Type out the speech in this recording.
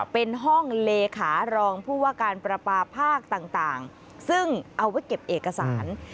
เป็นห้องเลขารองผู้ว่าการประปาภาคต่างซึ่งเอาไว้เก็บเอกสาร